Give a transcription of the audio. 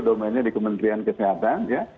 domainnya di kementerian kesehatan ya